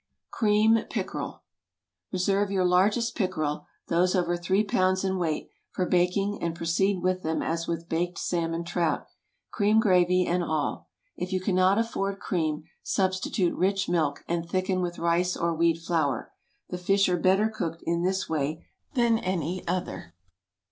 CREAM PICKEREL. ✠ Reserve your largest pickerel—those over three pounds in weight—for baking, and proceed with them as with baked salmon trout—cream gravy and all. If you cannot afford cream, substitute rich milk, and thicken with rice or wheat flour. The fish are better cooked in this way than any other.